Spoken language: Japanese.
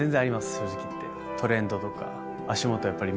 正直言って。